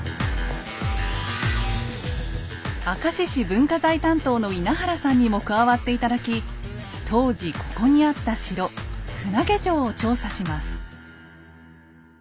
明石市文化財担当の稲原さんにも加わって頂き当時ここにあった城船上城を調査します。